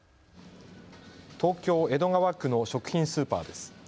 東京江戸川区の食品スーパーです。